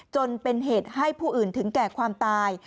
จนเป็นเหตุให้ผู้อื่นถึงแก่ความตาย